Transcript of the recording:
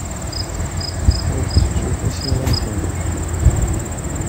Ur ttettu tasiwant-nnek.